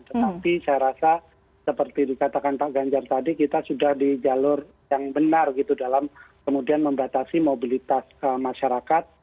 tetapi saya rasa seperti dikatakan pak ganjar tadi kita sudah di jalur yang benar gitu dalam kemudian membatasi mobilitas masyarakat